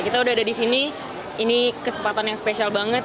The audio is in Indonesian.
kita udah ada di sini ini kesempatan yang spesial banget